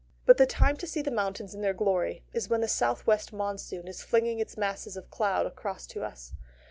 But the time to see the mountains in their glory is when the south west monsoon is flinging its masses of cloud across to us.